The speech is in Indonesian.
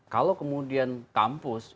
kalau kemudian kampus